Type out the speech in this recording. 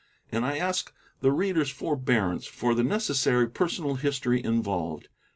And I ask the reader's forbearance for the necessary personal history involved.